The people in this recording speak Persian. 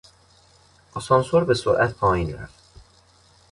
آسانسور به سرعت پایین رفت.